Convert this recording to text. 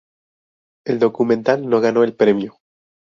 El documental no ganó el premio.